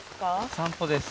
散歩です